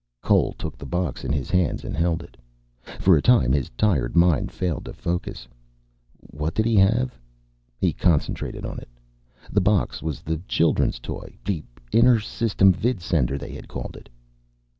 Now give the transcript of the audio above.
Cole took the box in his hands and held it. For a time his tired mind failed to focus. What did he have? He concentrated on it. The box was the children's toy. The inter system vidsender, they had called it.